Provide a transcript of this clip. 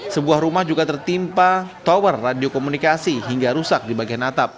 sebuah rumah juga tertimpa tower radio komunikasi hingga rusak di bagian atap